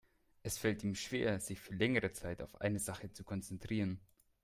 Es fällt ihm schwer, sich für längere Zeit auf eine Sache zu konzentrieren.